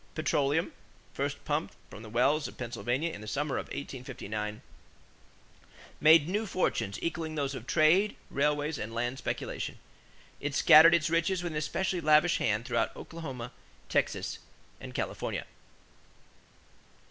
Petroleum, first pumped from the wells of Pennsylvania in the summer of 1859, made new fortunes equaling those of trade, railways, and land speculation. It scattered its riches with an especially lavish hand through Oklahoma, Texas, and California.